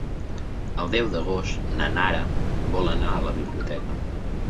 El deu d'agost na Nara vol anar a la biblioteca.